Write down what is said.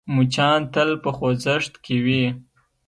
مچان تل په خوځښت کې وي